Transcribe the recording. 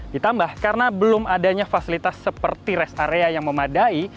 ditambah karena belum adanya fasilitas seperti rest area yang memadai